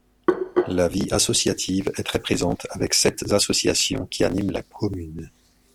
La vie associative est très présente avec sept associations qui animent la commune.